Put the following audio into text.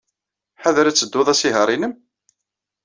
Ḥader ad tettud asihaṛ-nnem?